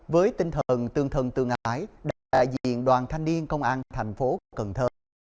với tinh thần tương thân tương ái đại diện đoàn thanh niên công an thành phố cần thơ